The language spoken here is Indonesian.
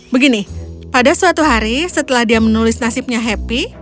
begini pada suatu hari setelah dia menulis nasibnya happy